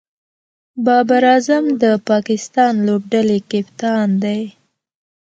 بابر اعظم د پاکستان لوبډلي کپتان دئ.